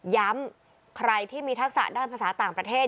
ใครที่มีทักษะด้านภาษาต่างประเทศ